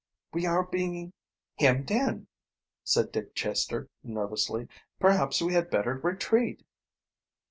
"We are being hemmed in," said Dick Chester nervously. "Perhaps we had better retreat."